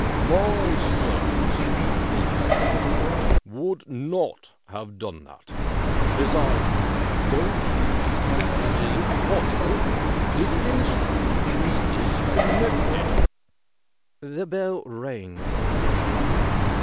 ' My servants,' he answered, 'would not have done that. Be sides, don't you see it is impos sible ? The instrument is discon nected.' ' The bell rang all the same.